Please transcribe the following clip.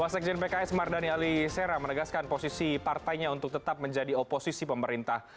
wasakjen pks mardani ali sera menegaskan posisi partainya untuk tetap menjadi oposisi pemerintah